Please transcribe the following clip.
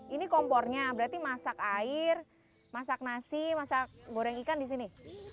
ini kompornya berarti masak air masak nasi masak goreng ikan di sini